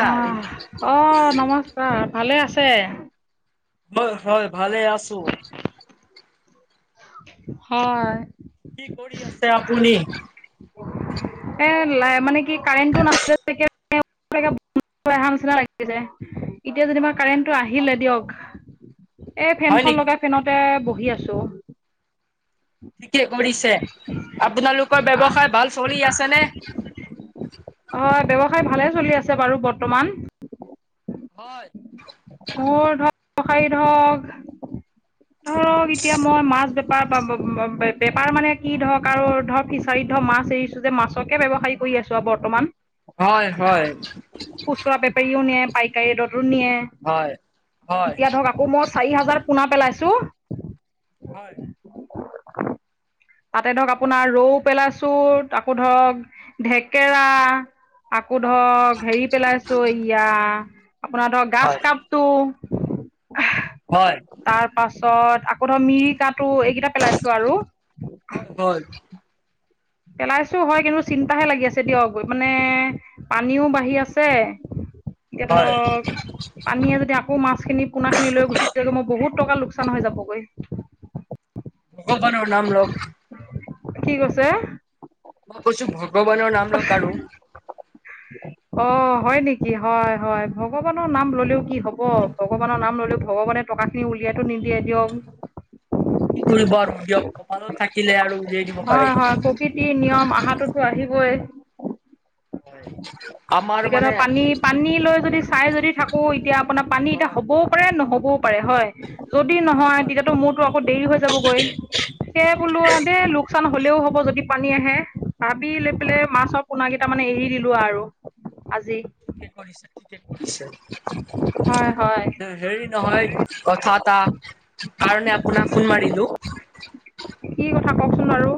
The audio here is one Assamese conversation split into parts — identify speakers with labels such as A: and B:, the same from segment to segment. A: হা, অ নমস্কাৰ ভালে আছে।
B: হয় হয় ভালে আছো।
A: হয়।
B: কি কৰি আছে আপুনি।
A: এ মানে কি কাৰেণ্টটো নাছিল [unintelligible] এহা নিচিনা লাগিছে, এতিয়া যেনিবা কাৰেণ্ট, টো আহিলে দিয়ক এই
B: হয়
A: ফেনখন
B: নেকি?
A: লগাই ফেনতে বহি আছো।
B: ঠিকে কৰিছে আপোনালোকৰ ব্যৱসায় ভাল চলি আছে নে।
A: হয় ব্যৱসায় ভালে চলি আছে বাৰু বৰ্তমান।
B: হয়।
A: মোৰ ধৰক ব্যৱসায়ী হওক ধৰক এতিয়া মই মাছ বে [unintelligible] বেপাৰ মানে কি ধৰক আৰু ধৰ ফিচাৰীত ধৰক মাছ এৰিছো যে মাছকে ব্যৱসায়িক, শুই আছো আও বৰ্তমান।
B: হয় হয়।
A: খুচুৰা বেপাৰীও নিয়ে পাইকাৰী ৰেদতো নিয়ে।
B: হয় হয়।
A: এতিয়া ধৰক আকৌ মই চাৰি হাজাৰ পোনা পেলাইছো।
B: [inaudible]
A: তাতে ধৰক আপোনাৰ ৰৌ পেলাইছো আকৌ ধৰক ঢেকেৰা আকৌ ধৰক হেৰি পেলাইছো ইয়া বা ধৰক গাছ
B: হয়
A: কাপটো
B: হয়।
A: তাৰ পাছত আকৌ ধৰক মিৰিকাটো এইকেইটা পেলাইছো আৰু
B: হয় হয়।
A: পেলাইছো হয় কিন্তু চিন্তাহে লাগি আছে দিয়ক মানে পানীও বাঢ়ি আছে এতিয়া
B: হয়
A: ধৰক, পানীয়ে যদি আকৌ মাছখিনি পোনা খিনি লৈ গুচি যায়গৈ মই বহুত টকা লোকচান হৈ যাবগৈ।
B: ভগৱানৰ নাম লওক,
A: কি কৈছে।
B: মই কৈছো ভগৱানৰ নাম লওক আৰু
A: অ হয় নেকি হয় হয় ভগৱানৰ নাম ললেও কি হব। ভগৱানৰ নাম ললেও ভগৱানে টকাখিনি উলিয়াইতো নিদিয়ে দিয়ক।
B: কি কৰিব আৰু দিয়ক কপালো থাকিলে আৰু উলিয়াই দিব পাৰে।
A: হয় -হয় প্ৰকৃতিৰ নিয়ম আহাটোতো আহিবই।
B: হয় [unintelligible]
A: এতিয়া ধৰা
B: মানে
A: পানী -পানী লৈ যদি চাই যদি থাকো এতিয়া আপোনাৰ পানী এতিয়া
B: হয়
A: হ'ব পাৰে নহবও পাৰে হয়, যদি
B: হয়
A: নহয়
B: হয়
A: তেতিয়াতো মোৰ ৰটো আকৌ দেৰি হৈ যাবগৈ সেয়ে বোলো দে লোকচান হ'লেও হ'ব যদি পানী আহে। ভাবি লৈ পেলে
B: হয়।
A: মাছৰ পোনা কেইটামান এ এৰি দিলোঁ আৰু আজি।
B: ঠিকে কৰিছা - ঠিকে কৰিছা।
A: হয় -হয়।
B: হেৰি নহয় কথা এটা কাৰণে আপোনাক ফোন মাৰিলো।
A: কি কথা কওকচোন বাৰু?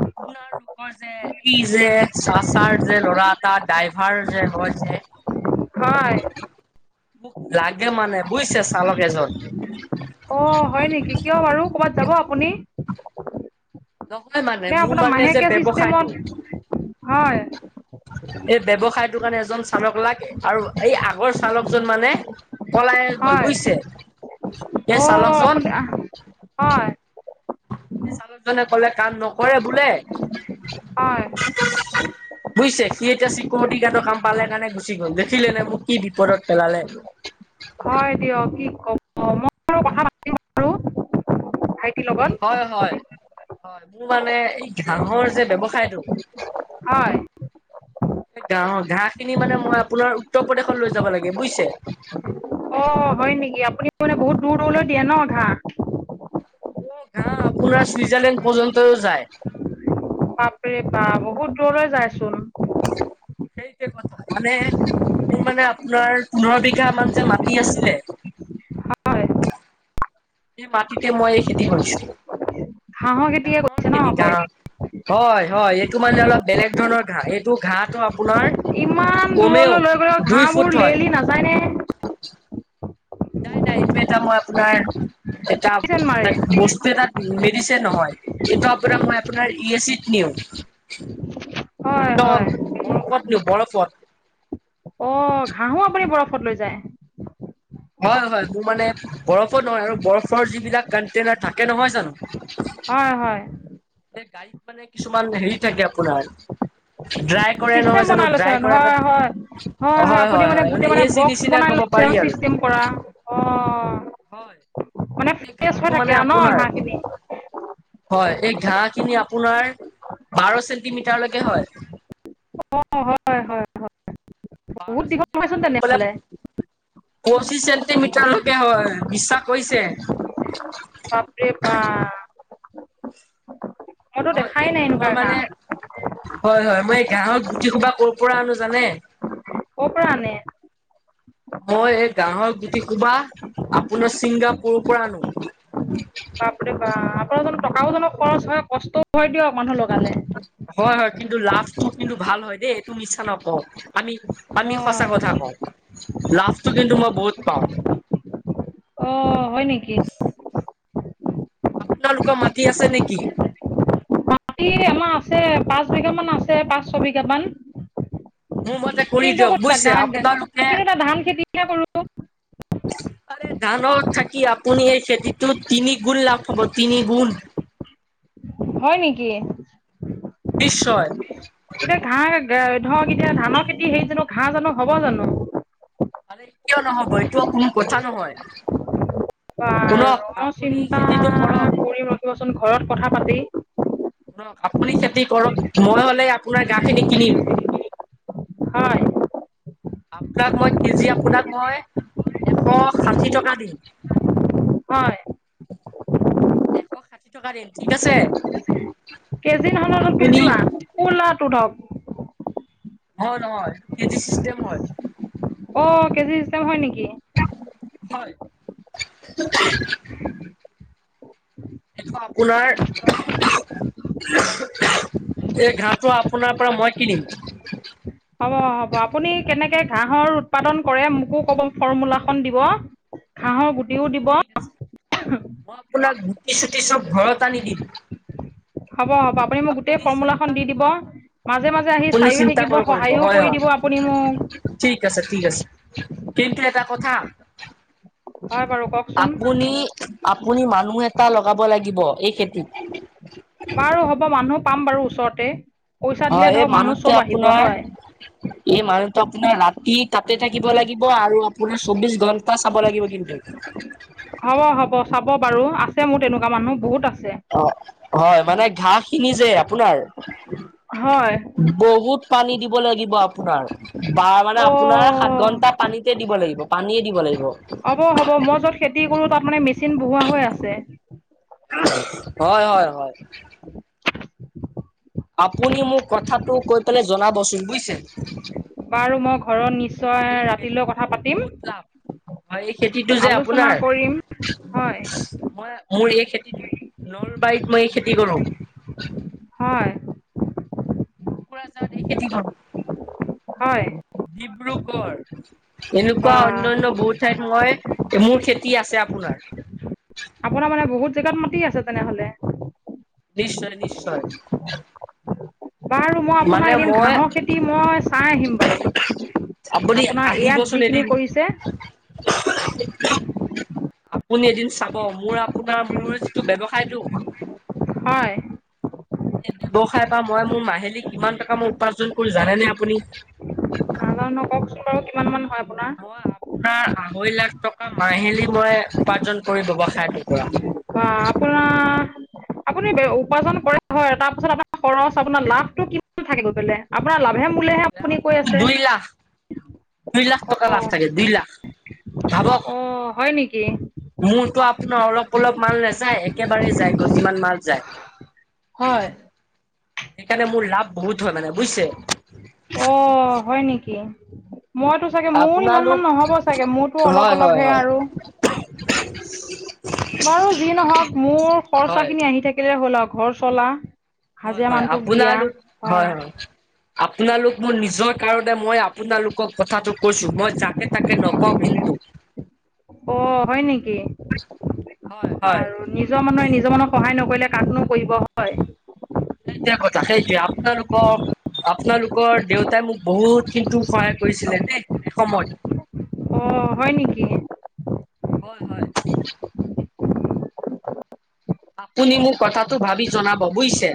B: আপোনাৰলোকৰ যে ই যে চা- চাৰ যে ল'ৰা এটা ড্ৰাইভাৰ যে হয় যে
A: হয়।
B: লাগে মানে বুইছে চালক এজন।
A: অ, হয় নেকি কিয় বাৰু ক'বাত যাব আপুনি?
B: নহয় মান
A: নে আপোনাৰ মাহেকীয়া চিষ্টেমত হয়।
B: এই ব্যৱসায়টোৰ কাৰণে এজন চালক লাগে আৰু এই আগৰ চালকজন মানে পলায়ে গল
A: হয়
B: বুইছে
A: অ
B: সেই চালকজন?
A: আপুনি হয়।
B: এ চালকজনে কলে কাম নকৰে বোলে
A: হয়
B: বুইছে সি এতিয়া চিকৰিটি গাৰ্ডৰ কাম পালে কাৰণে গুচি গ'ল দেখিলেনে মোক কি বিপদত পেলালে?
A: হয় দিয়ক কি ক'ব মই [unintelligible] কথা পাতিম আৰু ভাই
B: হয়- হয়-হয় মোৰ মানে ঘাঁহৰ যে ব্যৱসায়টো
A: হয়
B: এই গাহৰ ঘাঁহ খিনি মানে মই আপোনাৰ উত্তৰ প্ৰদেশত লৈ যাব লাগে বুইছে?
A: অ, হয় নেকি আপুনি মানে বহুত দূৰ - দুৰলে দিয়ে ন' ঘাঁহ?
B: মোৰ ঘাঁহ আপোনাৰ চুইজাৰলেণ্ড পৰ্যন্তও যায়।
A: বাপৰে- বাপ বহুত দূৰলে যায়চোন।
B: সেইটোৱে কথা মানে মোৰ মানে আপোনাৰ পোন্ধৰ বিঘা মান যে মাটি আছিলে
A: হয়
B: এই মাটিতে মই খেতি কৰিছোঁ
A: ঘাঁহৰ খেতিয়ে
B: গাঁৱৰ
A: কৰিছে ন
B: খেতি
A: অকল
B: গাওঁ হয় -হয় এইটো মানে অলপ বেলেগ ধৰণৰ ঘাঁহ এইটো ঘাঁহটো আপোনাৰ
A: ইমান
B: কমেও
A: দূৰলৈ লৈ গলেও
B: দুই ফুট
A: ঘাঁহবোৰ
B: হয়
A: লেৰেলি নাযায়নে?
B: দাই -নাই এইটো এটা মই আপোনাৰ এটা
A: মেডিচিন
B: -এটা
A: মাৰে
B: বস্তু এটা মেডিচে নহয়, এইটো আপোনাৰ মই আপোনাৰ ই এ চিত নিও।
A: হয়
B: তল
A: হয়
B: বৰফত নিওঁ বৰফত।
A: অ, ঘাহো আপুনি বৰফত লৈ যায়।
B: হয় -হয় মোৰ মানে বৰফো নহয় আৰু বৰফৰ যিবিলাক কনটেইনাৰ থাকে নহয় জানো
A: হয়- হয়।
B: এই গাড়ীত মানে কিছুমান হেৰি থাকে আপোনাৰ ড্ৰাইভ
A: চিষ্টেম বনাই লৈছে [unintelligible] হয়- হয়। হয় -হয় আপুনি মানে
B: হয়
A: গোটেই
B: এ
A: মানে
B: চি
A: বক্স
B: নিচিনা
A: বনাই
B: ক'ব
A: লৈছে
B: পাৰি
A: আৰু চিষ্টেম কৰা অ।
B: হয়
A: মানে
B: এই
A: ফ্ৰেছ
B: ঘাঁহটো
A: হৈ থাকে
B: মানে
A: আৰু ন
B: আপোনাৰ
A: ঘাঁহখিনি
B: হয়, এই ঘাঁহ খিনি আপোনাৰ বাৰ চেন্টিমিটাৰলৈকে হয়।
A: অ, হয়। হয়
B: বাৰ [unintelligible]
A: বহুত দীঘল নহয় চোন তেনেহ'লে?
B: পঁচিছ চেণ্টিমিটাৰলৈকে হয় বিশ্বাস কৰিছে?
A: বাপৰে - বা মইতো
B: হয় এই
A: দেখাই নাই
B: গাঁৱৰ
A: এনেকুৱা
B: মানে
A: ঘাঁহ।
B: হয়- হয় মই এই গাহৰ গুটি সোপা ক'ৰ পৰা আনো জানে?
A: কৰ পৰা আনে?
B: মই এই গাঁৱৰ গুটি সোপা আপোনাৰ ছিংগাপুৰৰ পৰা আনো। উ [unintelligible]
A: বাপৰে বাপ, আপোনালোকৰ টকাও জনক খৰচ হয় কষ্টও হয় দিয়ক মানুহ লগালে।
B: হয়- হয়। কিন্তু লাভটো কিন্তু ভাল হয় দেই এইটো মিছা নকওঁ। আমি আমি সঁচা
A: হয়
B: কথা কওঁ, লাভটো কিন্তু মই বহুত পাওঁ।
A: অ হয় নেকি?
B: [inaudible] আপোনালোকৰ মাটি আছে নেকি?
A: মাটি আমাৰ আছে। পাঁচ বিঘা মান আছে, পাঁচ ছ বিঘা মান।
B: মোৰ মতে কৰি
A: কিন্তু
B: দিয়ক
A: আকৌ
B: বুজিছে আপোনালোকে
A: কিন্তু এটা ধান খেতিহে কৰো।
B: ধানত থাকি আপুনি এই খেতিটো তিনি গুণ লাভ হ'ব, তিনি গুণ।
A: হয় নেকি?
B: নিশ্চয়।
A: এতিয়া ঘাঁহ ধৰক এতিয়া ধানৰ খেতি হেই জানো ঘাঁহ জানো হ'ব জানো?
B: আৰে কিয় নহ'ব, এইটো কোনো কথা নহয়।
A: বাৰু
B: শুনক
A: মই
B: আপুনি
A: চিন্তা
B: খেতিটো কৰক
A: কৰিম ৰখিবচোন ঘৰত কথা পাতি।
B: আপুনি খেতি কৰক, মই হলে আপোনাৰ ঘাঁহ খিনি কিনিম।
A: হয়
B: [inaudible] আপোনাক মই কেজি আপোনাক মই এশ ষাঠি টকা দিম।
A: হয়।
B: এশ ষাঠি টকা দিম ঠিক আছে।
A: কেজি নহয় নহয় অকল
B: আপুনি
A: টোপোলা, টোপোলাটো ধৰক।
B: হয় নহয়, কেজি চিষ্টেম হয়।
A: অ' কেজি চিষ্টেম হয় নেকি?
B: হয়। এইটো আপোনাৰ এই ঘাঁহটো আপোনাৰ পৰা মই কিনিম।
A: হ'ব হ'ব, আপুনি কেনেকে ঘাঁহৰ উৎপাদন কৰে মোকো কব, ফৰ্মূলা খন দিব।
B: উ [unintelligible]
A: ঘাহৰ গুটিও দিব-
B: ঠিক আছে। মই আপোনাক গুটি চুটি চব ঘৰত আনি দিম।
A: হ'ব হ'ব আপুনি মোক গোটেই ফৰ্মুলাখন
B: চিন্তা
A: দি দিব।
B: নকৰিব
A: মাজে -মাজে আহি
B: আপুনি
A: চাইও
B: চিন্তা
A: থাকিব
B: কৰিব কৰিব
A: সহায়ো
B: হয়
A: কৰি
B: হয়
A: দিব আপুনি মোক।
B: ঠিক আছে ঠিক আছে কিন্তু এটা কথা।
A: হয় বাৰু কওকচোন
B: আপুনি আপুনি মানুহ এটা লগাব লাগিব এই খেতিত।
A: বাৰু হ'ব মানুহ পাম বাৰু ওচৰতে পইচা
B: হয়
A: দিলে
B: এই
A: ধৰক মানুহ
B: মানুহটোৱে
A: চব আহিব
B: আপোনাৰ
A: হয়।
B: এই মানুহটো আপোনাৰ ৰাতি তাতে থাকিব লাগিব আৰু আপোনাৰ চৌবিশ ঘন্টা চাব লাগিব কিন্তু।
A: হ'ব হ'ব চাব বাৰু আছে মোৰ তেনেকুৱা মানুহ বহুত আছে।
B: অ' হয় মানে ঘাঁহ কিনি যে আপোনাৰ।
A: হয়।
B: বহুত পানী দিব লাগিব আপোনাৰ বা মানে আপোনাৰ সাত
A: অ'
B: ঘণ্টা। পানীতে দিব লাগিব পানীয়ে দিব লাগিব
A: হ'ব হ'ব মই য'ত খেতি কৰোঁ তাত মানে মেচিন বহোৱা হৈ আছে।
B: হয় -হয়- হয় আপুনি মোক কথাটো কৈ পেলাই জনাবচোন বুইছে।
A: বাৰু মই ঘৰত নিশ্চয় ৰাতিলৈ কথা পাতিম।
B: ম এই খেতিটো যে
A: আলোচনা
B: আপোনাৰ
A: কৰিম হয়
B: মই মোৰ এই খেতিটো নলবাৰীত মই এই খেতি কৰো
A: হয়।
B: কোকৰাঝাত এই খেতি কৰো।
A: হয়।
B: ডিব্ৰুগড় এনেকুৱা
A: বা
B: অন্যান্য বহুত ঠাইত মই মোৰ খেতি আছে আপোনাৰ।
A: আপোনাৰ মানে বহুত জেগাত মাতি আছে তেনেহলে।
B: নিশ্চয় - নিশ্চয়।
A: বাৰু মই আপোনাৰ
B: মানে
A: এদিন
B: মই
A: ঘাহৰ খেতি মই চাই আহিম বাৰু।
B: আপুনি
A: আপোনাৰ ইয়াত
B: আহিবচোন
A: যিখিনি
B: এদিন।
A: কৰিছে।
B: [unintelligible] আপুনি এদিন চাব মোৰ আপোনাৰ মোৰ যিটো ব্যৱসায়টো
A: হয়।
B: ব্যৱসায়ৰ পৰা মই মোৰ মাহিলী কিমান টকা মই উপাৰ্জন কৰো জানেনে আপুনি।
A: কওঁকচোন বাৰু কিমান মান হয় আপোনাৰ?
B: মই আপোনাৰ আঢ়ৈ লাখ টকা মাহিলী মই উপাৰ্জন কৰি ব্যৱসায়টোৰ পৰা।
A: বা আপোনাৰ আপুনি উপাৰ্জন কৰে হয় তাৰপিছত আপোনাৰ খৰচ আপোনাৰ লাভটো কিমান থাকে গৈ পেলাই। আপোনাৰ লাভে মূলে হে
B: লাভ
A: আপুনি কৈ আছে।
B: দুই লাখ দুই লাখ টকা লাষ্ট থাকে দুই লাখ ভাবক।
A: অ, হয় নেকি?
B: মোৰতো আপোনাৰ অলপ - অলপ মাল নাযায় একেবাৰেই যায় গৈ যিমান মাল
A: হয়
B: সেইকাৰণে মোৰ লাভ বহুত হয় মানে বুইছে।
A: অ, হয় নেকি মইতো চাগে মোৰ
B: আপোনালোক
A: ইমানমান নহ'ব চাগে মোৰতো অলপ -
B: হয় হয়
A: অলপহে
B: হয়
A: আৰু।
B: [unintelligible]
A: বাৰু যি নহওক মোৰ খৰচা
B: হয়।
A: খিনি আহি থাকিলে হ'ল আৰু ঘৰ চলা।
B: হয় -
A: হাজিৰা
B: হয়,
A: মানুহটোক
B: আপোনা
A: দিয়া
B: লো হয় - হয় আপোনালোক মোৰ নিজৰ কাৰণে মই আপোনালোকক কথাটো কৈছো, মই যাকে তাকে নকওঁ কিন্তু।
A: অ, হয় নেকি
B: হয় হয়
A: আৰু নিজৰ মানুহ নিজৰ মানুক সহায় নকৰিলে কাকনো কৰিব। হয়
B: সেইটোৱে কথা সেইটোৱে আপোনালোকক আপোনালোকৰ দেউতাই মোক বহুত কিন্তু সহায় কৰিছিলে দেই এসময়ত।
A: অ, হয় নেকি?
B: হয় - হয়। আপুনি মোক কথাটো ভাবি জনাব বুইছে?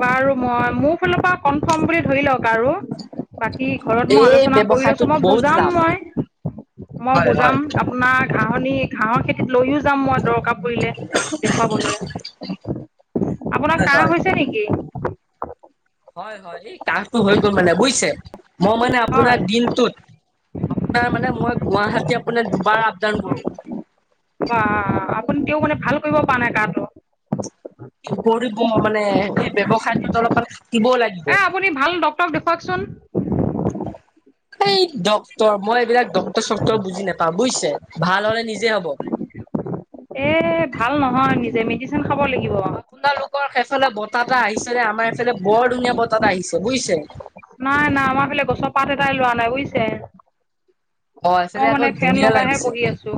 A: বাৰু মই মোৰ ফালৰ পৰা কনফাৰ্ম বুলি ধৰি লওক আৰু। বাকি ঘৰত মই
B: এই
A: আলোচনা কৰি লৈছো,
B: ব্যৱসায়টোত
A: মই
B: বহুত
A: বুজাম
B: লাভ
A: মই। মই
B: হয় হয়
A: বুজাম আপোনাৰ ঘাঁহনি - ঘাঁহৰ খেতিত লৈয়ো যাম মই দৰকাৰ পৰিলে দেখুৱাবলৈ, আপোনাৰ
B: হয়
A: কাহ
B: হয়
A: হৈছে নেকি?
B: হয় - হয় এই কাহটো হৈ গ'ল মানে বুজিছে, মই মানে আপোনাৰ
A: হয়
B: দিনটোত আপোনাৰ মানে মই গুৱাহাটী আপোনাৰ দুবাৰ আপডাউন কৰো।
A: বা, আপুনি তেওঁ মানে ভাল কৰিব পৰা নাই কাহটো।
B: কি কৰিব মানে, এই ব্যৱসায়টোত অলপমান খাকিবও লাগিব।
A: এ আপুনি ভাল ডক্টৰক দেখুৱওকচোন।
B: [inaudible] এই ডক্তৰ মই এইবিলাক ডক্তৰ চক্টৰ বুজি নাপাও বুজিছে, ভাল হ'লে নিজে হ'ব।
A: এ ভাল নহয় নিজে, মেডিচিন খাব লাগিব।
B: আপোনালোকৰ সেইফালে বতাহ এটা আহিছেনে, আমাৰ এইফে বৰ ধুনীয়া বতাহ এটা আহিছে বুজিছে।
A: নাই- নাই আমাৰ ফালে গছৰ পাত এটাই লৰা নাই বুজিছে।
B: অ
A: মই
B: এইফালে আকৌ
A: মানে ফেন
B: ধুনীয়া
A: লগাই হে বহি আছো।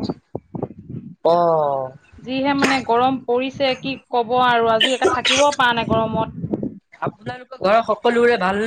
B: অহ'
A: যিহে মানে গৰম পৰিছে কি কব আৰু আজি একে থাকিবও পৰা নাই গৰমত।
B: আপোনালোকৰ ঘৰৰ সকলোৰে ভালনে?